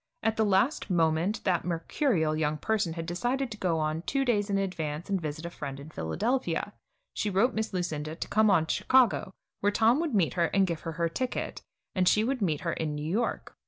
At the last moment that mercurial young person had decided to go on two days in advance and visit a friend in Philadelphia. She wrote Miss Lucinda to come on to Chicago, where Tom would meet her and give her her ticket, and that she would meet her in New York.